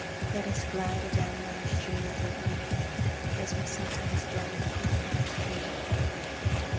Let us glide adown thy stream Gently as we sometimes glide Through a quiet dream!